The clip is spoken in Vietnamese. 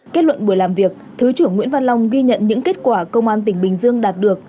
kết luận buổi làm việc thứ trưởng nguyễn văn long ghi nhận những kết quả công an tp hcm đạt được